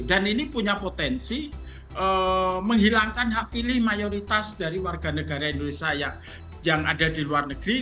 dan ini punya potensi menghilangkan hak pilih mayoritas dari warga negara indonesia yang ada di luar negeri